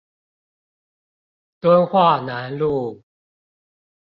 敦化南路